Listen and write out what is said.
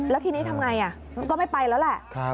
แล้วทีนี้ทำไงก็ไม่ไปแล้วแหละ